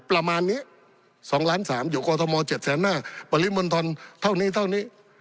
ประมาณนี้๒๓๐๐๐อยู่กับโรธมอล๗๕๐๐๐๐ปริมณฑรเท่านี้